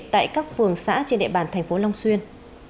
tại các phường xã trên địa bàn tp long xuyên